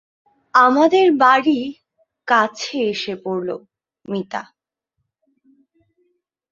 আমাদের বাড়ি কাছে এসে পড়ল, মিতা।